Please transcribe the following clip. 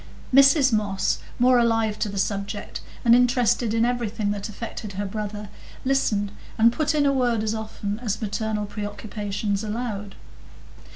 Mrs Moss, more alive to the subject, and interested in everything that affected her brother, listened and put in a word as often as maternal preoccupations allowed.